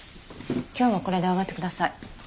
今日はこれで上がって下さい。